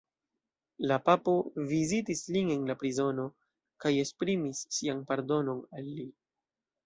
La papo vizitis lin en la prizono kaj esprimis sian pardonon al li.